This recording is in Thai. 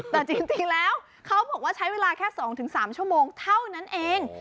แต่จริงแล้วเขาบอกว่าใช้เวลาแค่๒๓ชั่วโมงเท่านั้นเอง